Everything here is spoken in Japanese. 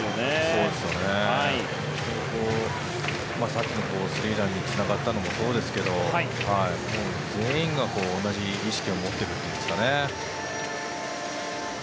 さっきのスリーランにつながったのもそうですが全員が同じ意識を持っているというんですかね。